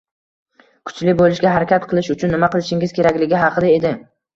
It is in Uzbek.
kuchli bo’lishga harakat qilish uchun nima qilishingiz kerakligi haqida edi